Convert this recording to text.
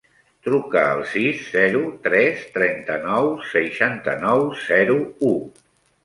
Truca al sis, zero, tres, trenta-nou, seixanta-nou, zero, u.